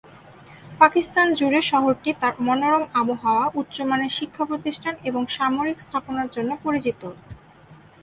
পাকিস্তান জুড়ে শহরটি তার মনোরম আবহাওয়া, উচ্চমানের শিক্ষা প্রতিষ্ঠান এবং সামরিক স্থাপনার জন্য পরিচিত।